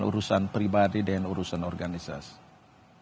urusan pribadi dan urusan organisasi